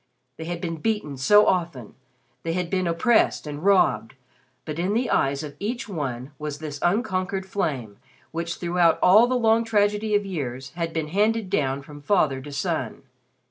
They had been beaten so often, they had been oppressed and robbed, but in the eyes of each one was this unconquered flame which, throughout all the long tragedy of years had been handed down from father to son.